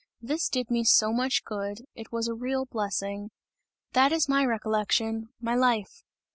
This did me so much good, it was a real blessing! That is my recollection, my life!"